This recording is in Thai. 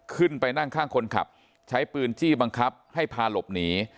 ขึ้นไปนั่งข้างคนขับใช้ปืนจี้บังคับให้พาหลบหนี